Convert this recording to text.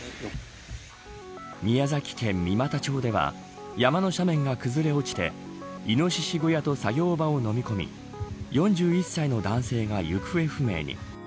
宮崎県三股町では山の斜面が崩れ落ちてイノシシ小屋と作業場を飲み込み４１歳の男性が行方不明に。